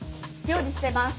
料理してます。